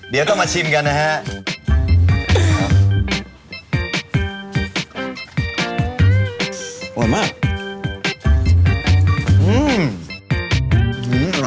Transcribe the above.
เดี๋ยวต้องมาชิมกันนะฮะ